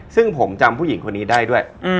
ซึ่งผมจำผู้หญิงคนนี้ได้ด้วย